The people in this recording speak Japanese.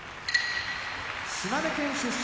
島根県出身